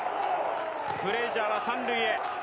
フレイジャーは３塁へ。